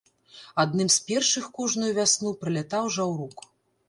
Адным з першых кожную вясну прылятаў жаўрук.